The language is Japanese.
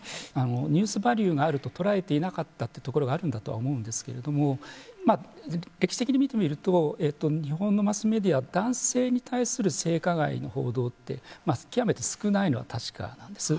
ニュースバリューがあると捉えていなかったというところがあるんだとは思うんですけれども歴史的に見てみると日本のマスメディアは男性に対する性加害の報道って極めて少ないのは確かなんです。